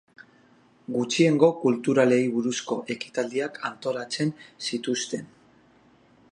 Gutxiengo kulturalei buruzko ekitaldiak antolatzen zituzten.